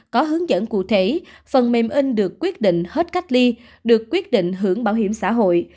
có hướng dẫn cụ thể phần mềm in được quyết định hết cách ly được quyết định hưởng bảo hiểm xã hội